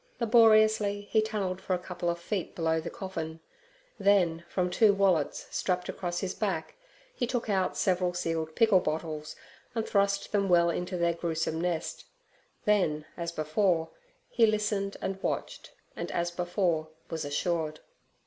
Laboriously he tunnelled for a couple of feet below the coffin, then from two wallets strapped across his back he took out several sealed pickle bottles and thrust them well into their gruesome nest; then, as before, he listened and watched, and, as before, was assured.